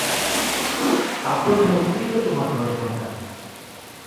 কাপড় পরতেই তো তোমার দশ ঘণ্টা।